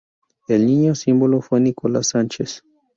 El niño símbolo fue Nicolás Sánchez.